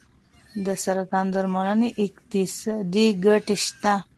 د سرطان درملنې اقتصادي ګټې شته.